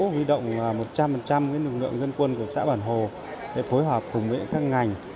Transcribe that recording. huy động một trăm linh lực lượng dân quân của xã bản hồ để phối hợp cùng với các ngành